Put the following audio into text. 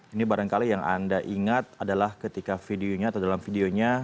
ini barangkali yang anda ingat adalah ketika videonya atau dalam videonya